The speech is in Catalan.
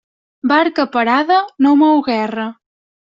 Barca parada no mou guerra.